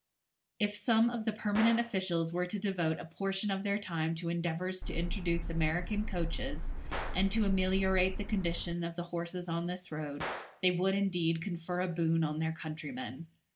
If some of the permanent officials were to devote a portion of their time to endeavours to introduce American coaches, and to ameliorate the condition of the horses on this road, they would indeed confer a boon on their countrymen.